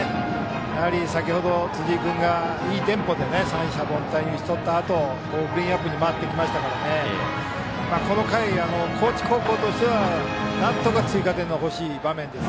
やはり先程、辻井君がいいテンポで三者凡退に打ち取ったあとクリーンナップに回ってきましたからこの回、高知高校としてはなんとか追加点が欲しい場面です。